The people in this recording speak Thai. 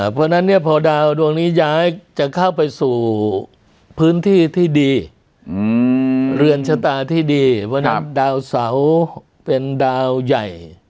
เพราะฉะนั้นเนี่ยพอดาวดวงนี้ย้ายจะเข้าไปสู่พื้นที่ที่ดีเรือนชะตาที่ดีเพราะฉะนั้นดาวเสาเป็นดาวใหญ่